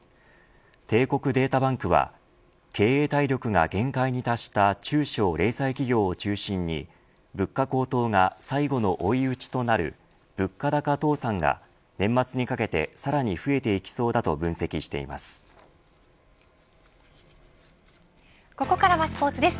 帝国データバンクは経営体力が限界に達した中小零細企業を中心に物価高騰が最後の追い打ちとなる物価高倒産が年末にかけてさらに増えていきそうだとここからはスポーツです。